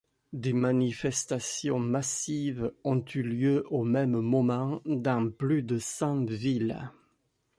Des manifestations massives ont eu lieu au même moment dans plus de cent villes.